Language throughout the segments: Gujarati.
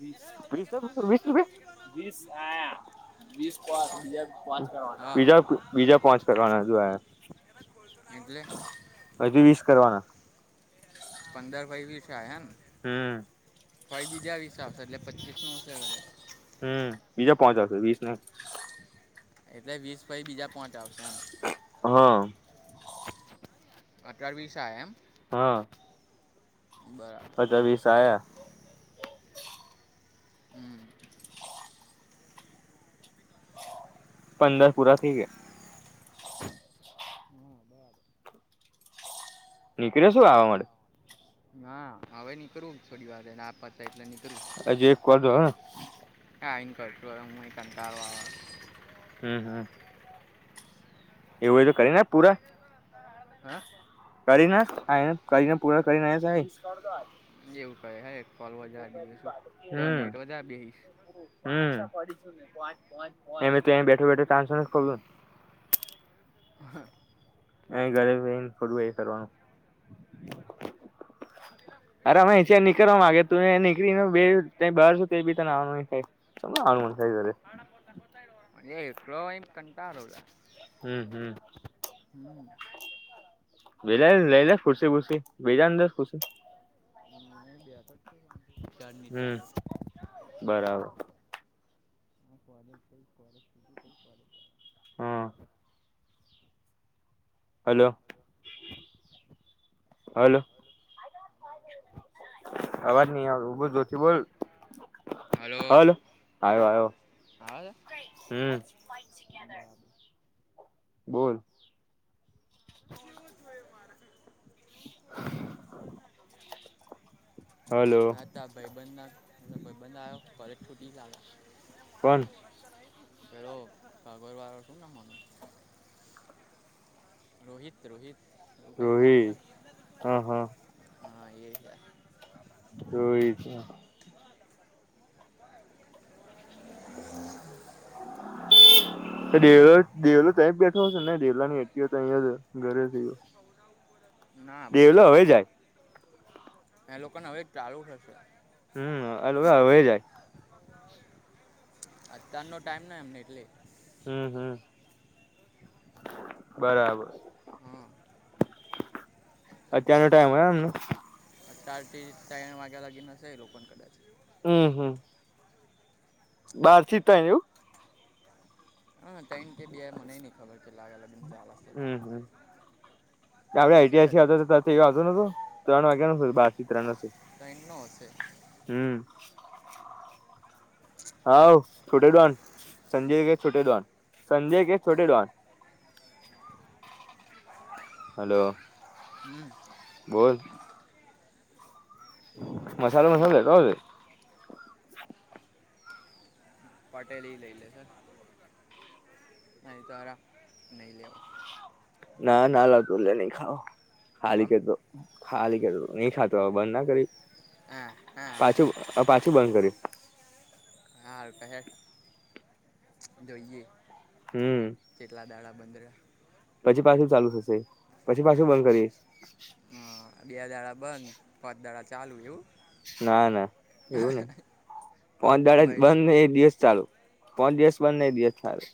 વીસ રૂપીસ [inaudible] હા બીજા બીજા પાંચ કરવાના જો આયા. [inaudible] હજુ વીસ કરવાના. પંદર પછી વીસ આયા એમને? હમ પછી બીજા વીસ આવશે એટલે પચીસનું હશે હવે કદાચ. હમ બીજા પોચ આવશે વીસને એટલે વીસ પછી બીજા પોચ આવશે એમ. હહ અત્યારે વીસ આયા એમ? હા બરાબર. પચા વીસ આયા. હમ પંદર પૂરા થઈ ગયા. હા બરાબર નીકળ્યો શું આવા માટે? ના હવે નીકરું થોડી વાર રહીને આ પતે એટલે નીકરું. હજી એક કોલ રયો ને? આઈ ન કરશું હવે હું એ કંટાળો આવે. હમ હમ એવું હોય તો કરી નાખ પૂરા. હા કરી નાખ આઈને કરીને પૂરા કરીને [inaudible] એવું કહે હેડફોલ વધારે બીજું શું દહ હમ મિનિટ વધારે બેઈશ. હમ એમે તો બેઠો બેઠો કામ સારું ખુલ્લું ને. હા અ ઘરે થોડું અહીં કરવાનું. [unintelligible] અરે અમે અહીંથી નીકર માગે તું નીકળી ને બે બહાર છું તે બી તને આવવાનું નહીં. ચમ આમ મોડસાઈ કરે. [inaudible] [inaudible] એકલો હોય ને કંટાળો છે. હમ, હમ. હમ. વેલા લઈ લ ખુરસી ફુરસી બેેજાને દ ખુશી. બે વાર નીચે. હમ બરાબર. હ, કોલેજ ક કોલે ક કોલે. [unintelligible] હા. હલો. હલો. અવાજ નઈ આવે, ઉ બો જોથી, બોલ, હાલ આવ્યો આવ્યો. અવાજ. હમ. બા [unintelligible] બોલ. એવ શું એ માાર [unintelligible] [unintelligible] હલો. ત ભાઈબંધના ભાઈબંધ આવ્યો, પરક ફૂટી લાગ્યા. કોણ હેરો ભાગરવા શું ના માનો. રોહિત રોહિત કટ નામ છે. રોહિત હા હા હા, એ છે. રેહ છે. [inaudible] દેવ દેવલો તં બેઠો હશે ને, ડેવલા ની એ ત જ ઘરે થયો. ના ભાઈ દેવલો હવે જાય. એ લોકોને હવે ચાલુ થશે. હમ, હો જાય. અત્યાર નો ટાઈમ ના એમને એટલે. હમ, હમ, બરાબર. હા અત્યારનો ટાઈમ હોય એમનો. અ ચાર થી ત્રણ વાગ્યા લાગી નાશે, એ લોકો પણ કદાચ. હમ, હમ. બારથી તું. હા, ટમ કે બે મને નહીં ખબર કે લાગે, લગન ચાલશે તો. હમ હમ ક એ ન છે, કદાચ. તે વાજુ ન તો ત્રણ વાગ્યા ને, બાર થી ત્રણ ન શું? ત એ ન હશે. હમ. હાઉ છોટે દોન સંજય કે, છોટે દોન સંજય કે, છોટે ડોન. હલો. હમ. બાય. મસાલો, મસાલ ક બોલ પટેલી લઈ લે છે, નહી તાર નહીં લેવો. ના, ના, લાવતો નહી ખાવા, ખાલી કમ કે તો ખાલી કર નહી ખાતો, હ, બંધ ના કરી. હ, હા. પાછું પાછું બંધ કર્યું. હા, કહે જોઈએ. હમ. કેટલા દાડા બંધ રહ્યા. પછી પાછું ચાલુ થશે પછી પાછું બંધ કરીશ. હ બે દાડા બંધ પાત દાડા ચાલુ એવું. ના ના એવું નઈ તો પોચ દડા બંધ ને એક દિવસ ચાલુ. પોચ દિવસ બંદ ને એક દિવસ ચાલુ.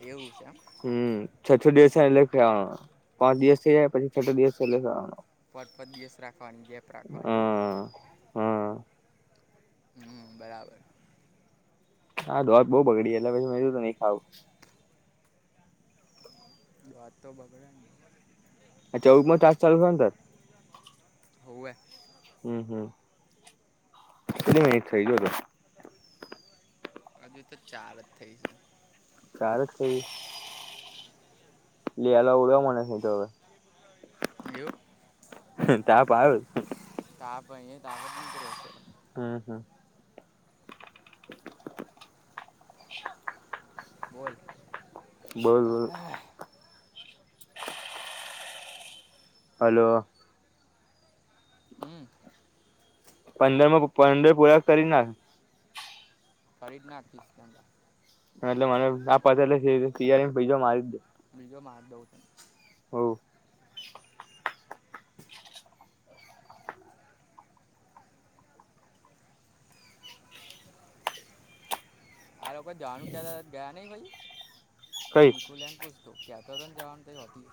એવું છે. હમ્મ છ્ઠ દિવસ એટલે ખ પાંચ દિવસ થઈ જાય પછી છઠ દિવસ એલે [unintelligible] પાંચ પાંચ દિવસ રાખવાની ગેપ રાખવાની એવું. હમ. હમ હમ્મ બરાબર. હા ધોધ બહું બગડી એટલે પછી મે નહી ખાવું. દાંત તો બગડે ને. આ ચૌદમો તાસ ચાલુ થયો ને તાર હોવે. હમ હમ કેટલી મિનટ થઇ જો હતું. હજુ તો ચાર જ થઈ છે. ચાર જ થઈ. લેલા ઉડ્યો મને ન તો હવે ગીયો. હા તા [unintelligible] તા આપહીયા તાવત નની કર્યો સે. હમ હમ. [inaudible] બોલ. બોલ બોલ. હલો. હમ પંદરમાં પંદર પૂરાક કરી નખ. કરી નાખ [unintelligible] એટલે મને આ પતે એટલે તિ તિયારીજ બિજો [unintelligible] બીજો મા [unintelligible] હવ આ લોકો કોઈ જાનું ક્યા ગયા નહિ ભાઈ કઈ નખુલ એન પૂછતો. ક્યા તો રન જવાન તાય હોતી.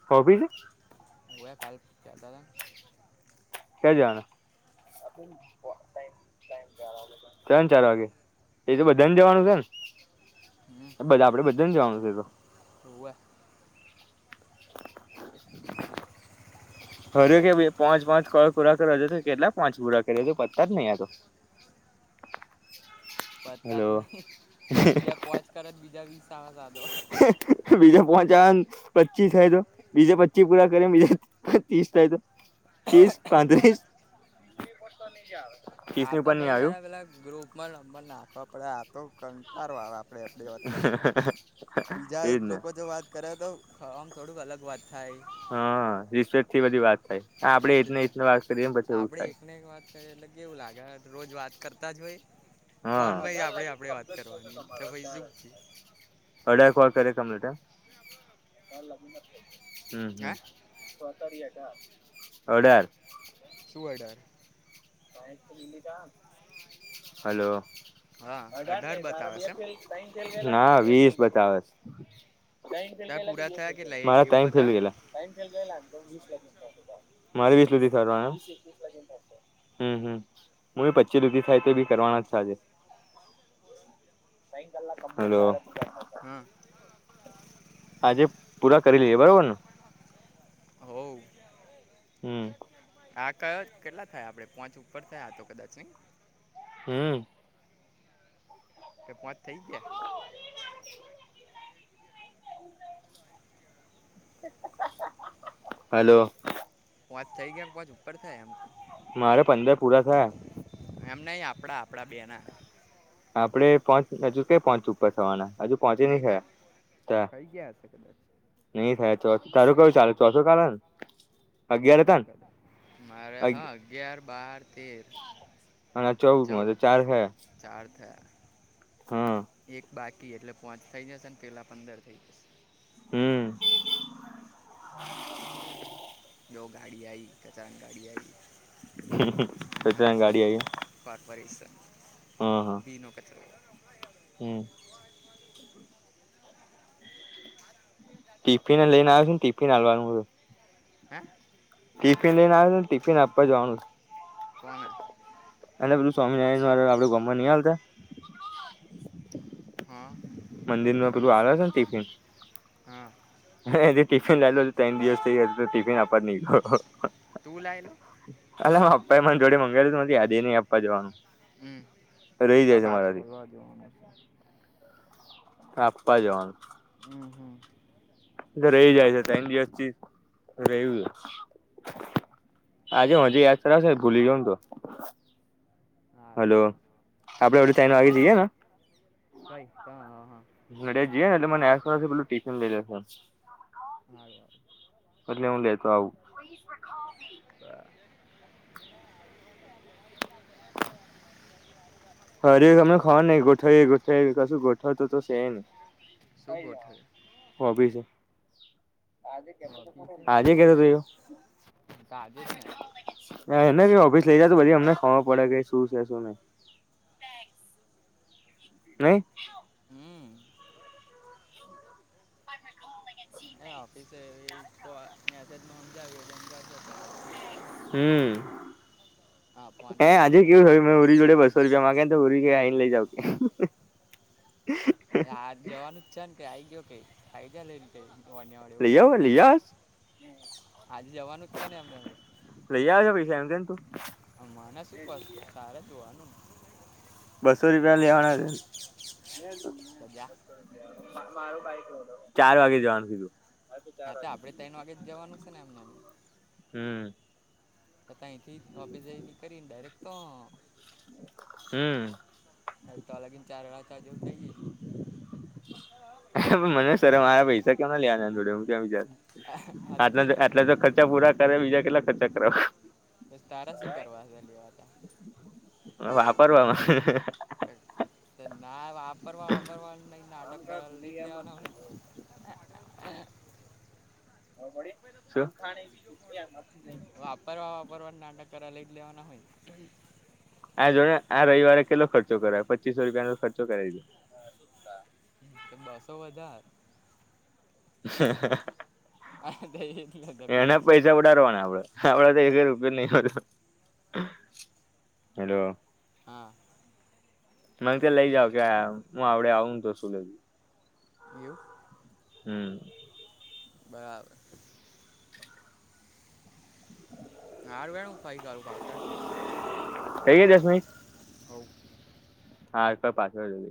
[unintelligible] ઉવે કાલ કહેતા હતા. ક્યા જાવાના [unintelligible] ત્રણ ચાર વાગે એ તો બધાને જવાનું છે ને. બધા આપડ બધા ને જવાનું છે એ તો. ઓવે. હરે કે ભ પાંચ પાંચ ક પુરા કર તો હજુ તો કેટલાક પાંચ પુરા કરે પતા જ નહીં આ તો. પતા જ હેલો નહી બીજા પોચ કર બીજા વીસ આવન આ તો. બીજા પાંચ આવન પચીસ થાય તો. બીજે પચી પૂરા કરી બીજે ત્રીસ થાય તો ત્રીસ પાંત્રીસ [inaudible] આ ની તો ઉપર નહી ભાઈ આવ્યું અલગ અલગ ગ્રુપમાં નંબર નાખવા પડે આ તો કંટાળો આવે આપણે આપણે વાત કરી બીજા એજ ને લોકો જો વાત કરે તો આમ થોડુંક અલગ વાત થાય. હા રિસ્પેક થી બધી વાત થાય આપડે નથી એક ને એતને વાત કરીએમ પછી એવું આપણે થાય. [unintelligible] એટલે કેવું લાગે રોજ વાત કરતા જ હોય. હ ફોનમાં હજાર આપણે લાગીને આપણે વાત કમજર કરવાની કે તમાર [unintelligible] ભાઈ અઢાર શું [unintelligible] હમ્મ હે હામ. અઢાર. સુએ ડર. હલો. હા ને અઢાર તારા બતાવે બે છે એમ? ફેલ ના વીસ બતાવે છ. તાર પૂરા થયા કેટલા એક મારા એવું તન ફેલ બતાવે ગેલા. મારે વીસ સુધી કરવા એમ? હમ્મ હમ્મ, હું બી પચી રૂપી થાય તે બી કરવાના જ છે આજે. હાલો. હા. આજે પૂરા કરી લઈએ બરોબર ને? હવ. હમ્મ. હા ક કેટલા થયા આપડે પોંચ ઉપર થયા તો કદાચ નહી? હમ્મ. એ પાંચ થઈ ગયા? હલો. વાત થઈ ગયા [unintelligible] ઉપર છે એમ. મારે પંદર પૂરા થાય. એમ નઈ આપડા આપડા બે ના. આપડે પોંચ હજુ ક પચ ઉપર થવાના, હજુ નહી થાય? થઈ ગયા હશે કદચ. ની થાય તો તારું કયું ચાલે ચોથું ચાલે ને? અગિયાર હતા [inaudible] મારે ને હા અગિયાર, બાર, તેર. અને આ ચૌદમાં તો ચૌદ ચાર થયા ચાર થયા. હમ્મ એક બાકી એટલે પોંચ થઇ જશે ને પેલા પંદર થઇ જશે. હમ જો ગાડી આઈ કચરાની ગાડી આઈ ગાડી આવી નગરપાલિકા પાતવરીસન હ હ ભીનો કચરો હમ ટિફિને લઈને આયો છે, ટિફિન આલવાનું છે. હા. ટિફિન લઈને આયો ટિફિન આપવા જવાનું. કોને? એટલે પેલું સ્વામિનારાયણ વારુ આપને ગોમાં ની ચાલતતે હ અ મંદિરમાં પેલું આલે છે ને ટિફિન. હા મેં એનું ટિફિન લાવ્લો ત્રણ દિવસ થઈ ગયા હજુ ટિફિન આપવા નહી ગયો. તું લયલો? અલા માર પપ્પાએ મન જોડે મંગાવેુ હતું મને યાદી નઈ આપ. જવાનું હમ રહી તાર જાય છે મારાથી. પાછળ જોવાનું શે આપવા જવાનું. હમ્મ હમ્મ. એ તો રેય જાય છે ત્રણ દિવસથી રેયુ છે. આજે હજી યાદ કરાવશે ભૂલી કેમ ગીયો. હારું હલો હારું આપડે ઓલી ટઇન વાગી જઈએ ને. કઈ કા હા. ઘરે જીઈએ ને એટલે મને યાદ કરાવજે પેલું ટિફિન લઈ લી હાડવા એટલે હું લેતો આવું. [inaudible] [inaudible] હરી અમને ખાવાનું ને ગોઠવ ગોઠઈ કશું ગોઠવ તો છે ની શું ગોઠવ્યું? હોબી છે. ઓફિસે ને આજે કેતો હોવે હતો એવું. આજે જ ને એટલે કે ઓફિસ લઇ જા પછી અમને ખબર પડે કે શું છે શું નઈ. થેન્ક્સ. નહી. હમ અહિયા ઓફિસે તો આ મેસેજ માં હમજાયું તે હમજાવતો હતો બો હમમ હા ફોન એ કરેલો આજે કાલ કેવું થયું મે ઉરી જોડે બસ સો રુપિયામાં માંગે ને તો ઉરવી કેય આઈ ને લઈ જાવ કે આ જવાનું જ છે ને કેઈ આ આવી ગયો કે આયી ગો લેય ને કે [unintelligible] એવું ના કહું. યસ. હમ્મ. આજે જવાનું જ છે ને અમને અવે. લઈ આવજો પૈસા એમ કેમ તું. હા મને શું કર તારે જોવાનું ને. બસો રૂપિયા લેવાના છે. સજા. ચાર વાગે જવાનું કીધું. હા તો આપદે ત્રણ વાગે જવાનું છે ને એમને એમ? હમ્મ. તો તહીંથી ઓફિસે થી નીકળી ને ડાયરેક્ટ તા. હમ્મ. તા લગીન ચાર વાગતા ચાર જેવું થઈ જશે. મને શરમ આવે મારા પૈસા કેમ ના લેવાના એની જોડે હું એમ. આટલા હતી આટલા તો ખર્ચા પૂરા કરે બીજા કેટલા ખર્ચા કરાવે? બસ તારા શું કરવા છે લેવાતા વાપરવામાં. ના વાપરવા વાપરવા નહી નાટક કર લઈ જ લેવાના હોય ન. [unintelligible] શું? ને વાપરવા વાપરવા ને નાટક કરે લઇજ લેવાના હોય ન. આ જોને આ રવિવારે કેટલો ખર્ચો કરાયવો પચીસો રૂપિયાનો ખર્ચો કરાવી દો. તો બસો વધાર. એટલે એના બીજું શું પૈસા ઉદારવાના આપડે. આપડા તો એક રૂપિયા નહી હલ, હલો. હા. મને કે લઈ જાવ કે આમ હું આવડે આવઉ ને તો શુવડાઈ દઉ છું. એવું? હમ્મ. બરાબ. [inaudible] હારુ હેડ હું ફરી કરું પાછળ થઈ ગય દસ મિનિટ? હોવ હા એક પાછળ જ